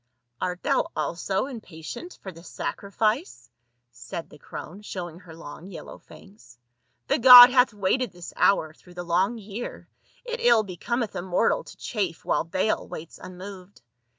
"Art thou also impatient for the sacrifice?" said the crone, showing her long yellow fangs; "the god hath waited this hour through the long year ; it ill be cometh a mortal to chafe while Baal waits unmoved.